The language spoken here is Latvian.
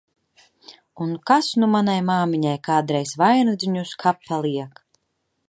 Un kas nu manai māmiņai kādreiz vainadziņu uz kapa liek!